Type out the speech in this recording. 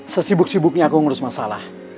sesibuk sibuknya aku ngurus masalah